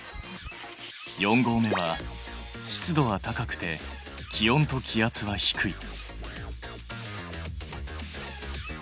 四合目は湿度は高くて気温と気圧は低い。